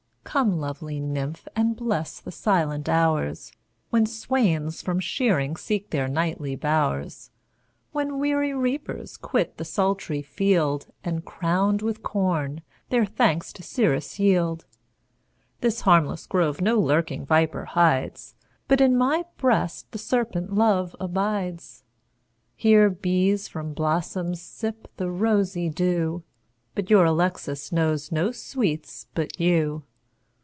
Come lovely nymph, and bless the silent hours, When swains from shearing seek their nightly bow'rs; When weary reapers quit the sultry field, And crown'd with corn, their thanks to Ceres yield. This harmless grove no lurking viper hides, But in my breast the serpent Love abides. Here bees from blossoms sip the rosy dew, But your Alexis knows no sweets but you.